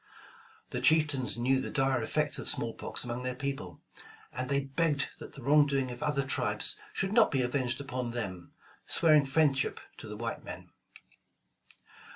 The chieftans knew the dire effects of smallpox among their people, and they begged that the wrong doing of other tribes should not be avenged upon them, swearing friendship to the white men.